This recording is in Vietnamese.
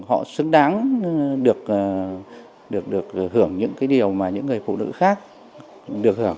họ xứng đáng được hưởng những cái điều mà những người phụ nữ khác được hưởng